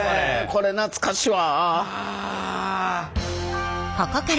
これ懐かしいわ。